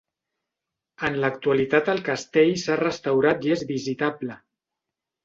En l'actualitat el castell s'ha restaurat i és visitable.